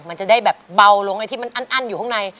มันจะได้แบบเบาลงที่อันอยู่ข้างใน